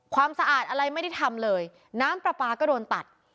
ความสะอาดอะไรไม่ได้ทำเลยน้ำปลาปลาก็โดนตัด